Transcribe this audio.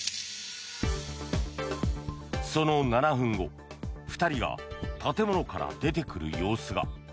その７分後２人が建物から出てくる様子が。